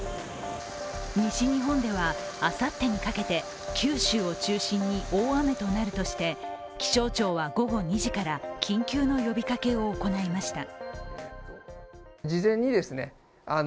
西日本ではあさってにかけて九州を中心に大雨となるとして、気象庁は午後２時から緊急の呼びかけを行いました。